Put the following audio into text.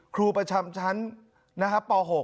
ครูประจำชั้นนะครับป๖